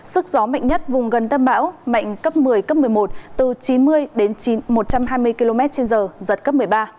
sức gió mạnh nhất vùng gần tâm bão mạnh cấp một mươi cấp một mươi một từ chín mươi đến một trăm hai mươi km trên giờ giật cấp một mươi ba